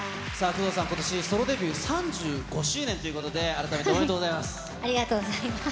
工藤さん、ことしソロデビュー３５周年ということで、改めておめでとうござありがとうございます。